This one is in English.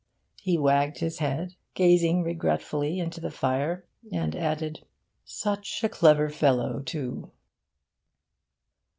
He wagged his head, gazing regretfully into the fire, and added, 'Such a clever fellow, too!